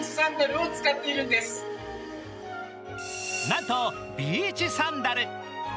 なんとビーチサンダル。